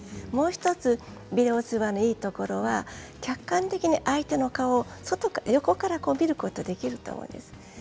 もう１つビデオ通話のいいところは客観的に相手の顔を横から見ることができると思うんです。